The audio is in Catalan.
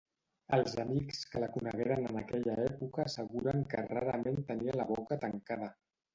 Els amics que la conegueren en aquella època asseguren que rarament tenia la boca tancada.